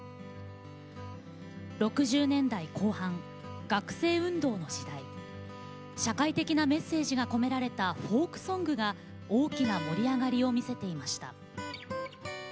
６０年代後半学生運動の時代社会的なメッセージが込められたフォークソングが大きな盛り上がりを見せていました。